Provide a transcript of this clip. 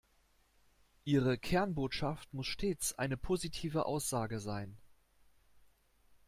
Ihre Kernbotschaft muss stets eine positive Aussage sein.